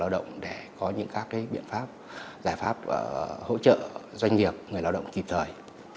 động để có những các biện pháp giải pháp hỗ trợ doanh nghiệp người lao động kịp thời